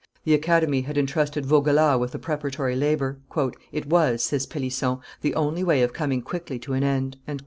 The Academy had intrusted Vaugelas with the preparatory labor. "It was," says Pellisson, "the only way of coming quickly to an end."